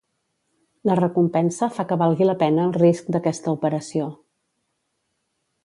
La recompensa fa que valgui la pena el risc d'aquesta operació.